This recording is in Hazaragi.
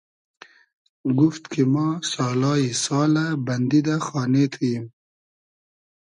گوفت کی ما سالای سالۂ بئندی دۂ خانې تو ییم